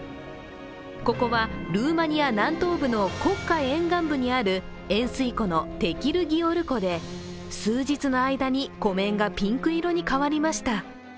ここはルーマニア南東部の黒海沿岸部にある塩水湖のテキルギオル湖で数日の間に湖面がピンク色に変わりました。